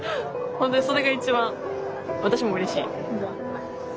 本当にそれが一番私もうれしい。